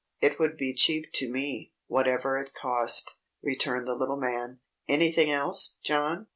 It would be cheap to me, whatever it cost," returned the little man. "Anything else, John?"